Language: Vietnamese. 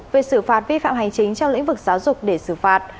về xử phạt vi phạm hành chính trong lĩnh vực giáo dục để xử phạt